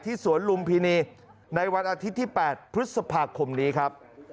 สวนลุมพินีในวันอาทิตย์ที่๘พฤษภาคมนี้ครับ